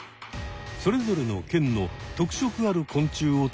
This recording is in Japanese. それぞれの県の特色ある昆虫を伝えたい。